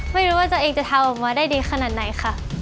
ไม่รู้ว่าตัวเองจะทำออกมาได้ดีขนาดไหนค่ะ